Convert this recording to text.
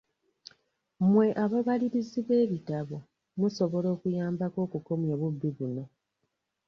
Mwe ababalirizi b'ebitabo musobola okuyambako okukomya obubbi buno.